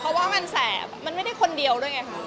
เพราะว่ามันแสบมันไม่ได้คนเดียวด้วยไงคะ